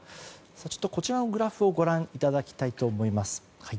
こちらのグラフをご覧いただきたいと思います。